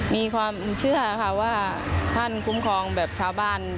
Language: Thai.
มีความเชื่อค่ะว่าท่านคุ้มครองแบบชาวบ้าน